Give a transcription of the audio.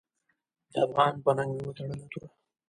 د افغان په ننګ مې وتړله توره .